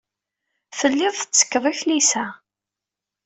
Telliḍ tettekkeḍ i tlisa.